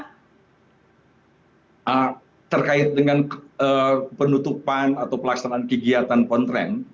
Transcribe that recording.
ya terkait dengan penutupan atau pelaksanaan kegiatan kontren